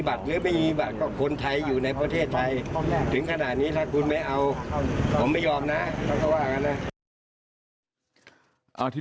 บอกแครนเอา